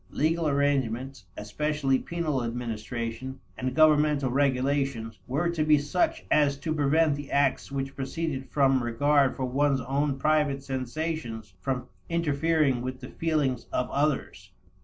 Legal arrangements, especially penal administration, and governmental regulations, were to be such as to prevent the acts which proceeded from regard for one's own private sensations from interfering with the feelings of others.